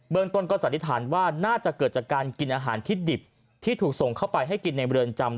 เมืองต้นก็สันนิษฐานว่าน่าจะเกิดจากการกินอาหารที่ดิบที่ถูกส่งเข้าไปให้กินในเรือนจำ